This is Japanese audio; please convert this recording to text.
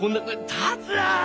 「達也！」。